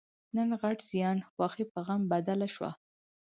نن غټ زیان؛ خوښي په غم بدله شوه.